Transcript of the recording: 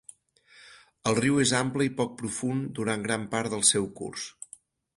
El riu és ample i poc profund durant gran part del seu curs.